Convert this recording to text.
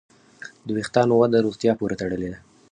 د وېښتیانو وده روغتیا پورې تړلې ده.